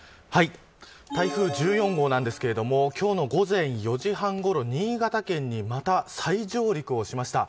台風１４号なんですけれども今日の午前４時半ごろ新潟県にまた再上陸をしました。